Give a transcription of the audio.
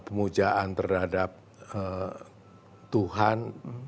pemujaan terhadap tuhan